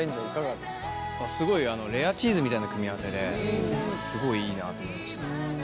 すごいレアチーズみたいな組み合わせですごいいいなと思いました。